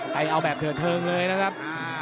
ไปเอาแบบเถิดเทิงเลยนะครับ